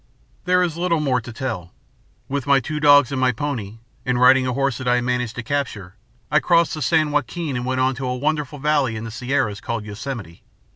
"There is little more to tell. With my two dogs and my pony, and riding a horse I had managed to capture, I crossed the San Joaquin and went on to a wonderful valley in the Sierras called Yosemite.